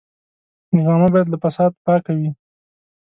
ډرامه باید له فساد پاکه وي